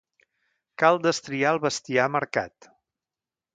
Cal destriar el bestiar marcat.